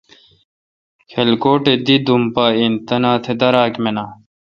کلکوٹ اے دی دوم پا این۔ تنا تہ داراک مناں۔